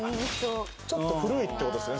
ちょっと古いってことですね